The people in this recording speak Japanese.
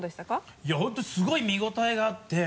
いや本当にすごい見応えがあって。